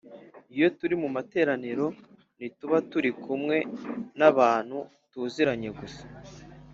iyo turi mu materaniro ntituba turi kumwe n abantu tuziranye gusa